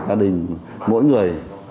gia đình mỗi người